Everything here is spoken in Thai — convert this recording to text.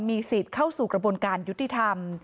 มีสิทธิ์เข้าสู่กระบวนการยุติธรรม